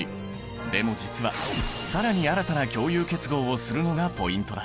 でも実は更に新たな共有結合をするのがポイントだ。